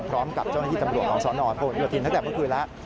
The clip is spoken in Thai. พร้อมกับเจ้าหน้าที่จำนวงของสนเพราะว่าหยุดถิ่นตั้งแต่เมื่อคืนแล้ว